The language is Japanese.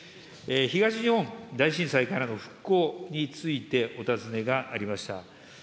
東日本大震災からの復興についてお尋ねがありました。